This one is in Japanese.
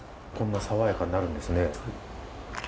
こんな爽やかになるんですね。